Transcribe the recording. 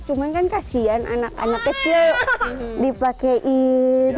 cuman kan kasian anak anak kecil dipakein